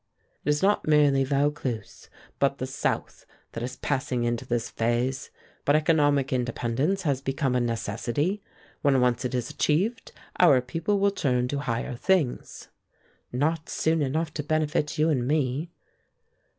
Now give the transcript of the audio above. "It is not merely Vaucluse, but the South, that is passing into this phase. But economic independence has become a necessity. When once it is achieved, our people will turn to higher things." "Not soon enough to benefit you and me."